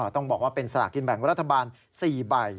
ต้องบอกว่าเป็นสลากกินแบ่งรัฐบาล๔ใบ